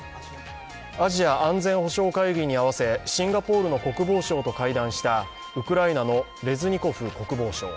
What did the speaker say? アジア安全保障会議に合わせ、シンガポールの国防相と会談したウクライナのレズニコフ国防相。